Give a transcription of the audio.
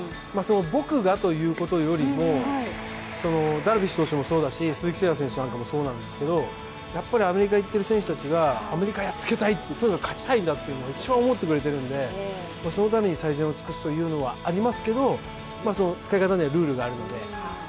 僕がということよりも、ダルビッシュ投手もそうだし、鈴木誠也選手なんかもそうなんですけど、やっぱりアメリカ行ってる選手はアメリカをやっつけたい、とにかく勝ちたいんだと一番思ってくれているんで、そのために最善を尽くすというのはありますけれども、使い方にはルールがあるので。